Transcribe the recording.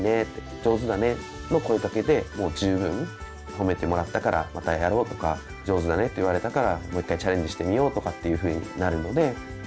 褒めてもらったからまたやろうとか上手だねって言われたからもう１回チャレンジしてみようとかっていうふうになるので。